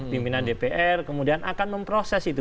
pimpinan dpr kemudian akan memproses itu